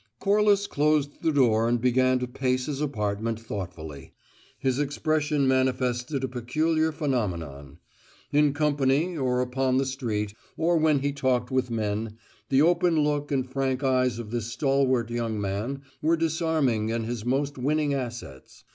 Corliss closed the door and began to pace his apartment thoughtfully. His expression manifested a peculiar phenomenon. In company, or upon the street, or when he talked with men, the open look and frank eyes of this stalwart young man were disarming and his most winning assets.